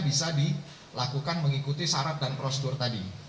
bisa dilakukan mengikuti syarat dan prosedur tadi